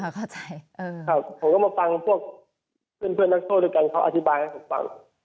ดังนั้นผมก็มาฟังพวกเพื่อนนักโทษด้วยกันเค้าอธิบายให้ผมฟัง